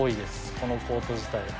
このコート自体。